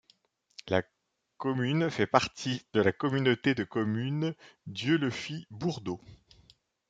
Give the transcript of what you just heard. La commune fait partie de la communauté de communes Dieulefit-Bourdeaux.